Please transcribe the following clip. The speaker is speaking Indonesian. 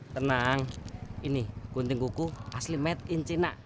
tenang ini gunting kuku asli made in cina